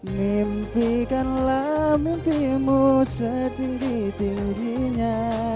mimpikanlah mimpimu setinggi tingginya